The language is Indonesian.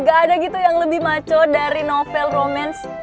gak ada gitu yang lebih maco dari novel romans